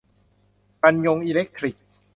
กันยงอีเลคทริก